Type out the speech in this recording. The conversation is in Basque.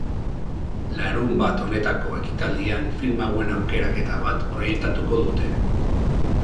Larunbat honetako ekitaldian film hauen aukeraketa bat proiektatuko dute.